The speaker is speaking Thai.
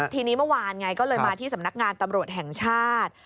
ทีนี้เมื่อวานไงก็เลยมาที่สำนักงานตำรวจแห่งชาติ